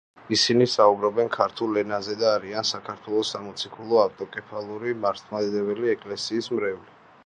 ისინი საუბრობენ ქართულ ენაზე და არიან საქართველოს სამოციქულო ავტოკეფალური მართლმადიდებელი ეკლესიის მრევლი.